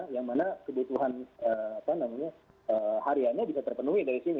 yang mana kebutuhan hariannya bisa terpenuhi dari sini